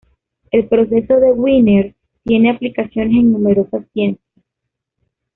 El proceso de Wiener tiene aplicaciones en numerosas ciencias.